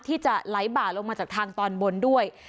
ที่จะไหลบ่าลงมาจากทางตอนบนด้วย